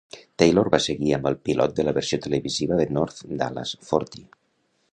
Taylor va seguir amb el pilot de la versió televisiva de "North Dallas Forty".